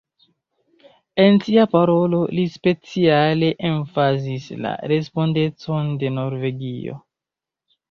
En sia parolo, li speciale emfazis la respondecon de Norvegio.